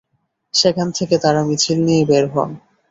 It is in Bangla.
সেখান থেকে তাঁরা মিছিল নিয়ে বের হন।